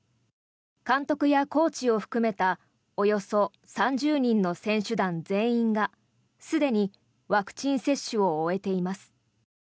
監督やコーチを含めたおよそ３０人の選手団全員がすでにワクチン接種を終えています。